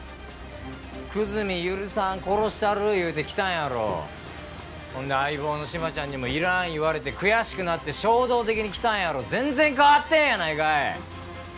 「久住許さん殺したる」いうて来たんやろほんで相棒の志摩ちゃんにも「要らん」言われて悔しくなって衝動的に来たんやろ全然変わってへんやないかい！